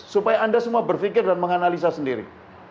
supaya anda semua berpikir dan menganalisa sendiri